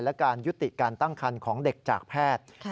และการยุติการตั้งคันของเด็กจากแพทย์